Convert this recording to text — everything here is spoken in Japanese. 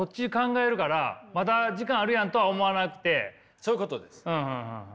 そういうことです。